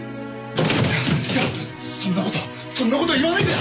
いやそんなことそんなこと言わないで。